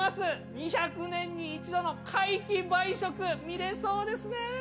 ２００年に一度の皆既梅食、見れそうですね。